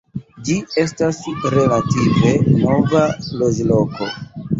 Ĝi estas relative nova loĝloko.